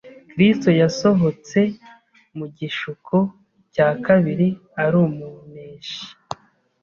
Kristo yasohotse mu gishuko cya kabiri ari umuneshi.